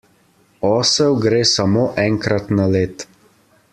Osel gre samo enkrat na led.